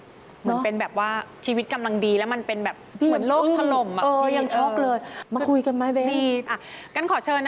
เหมือนเป็นแบบว่าชีวิตกำลังดีและมันเป็นแบบเหมือนโรคทะลม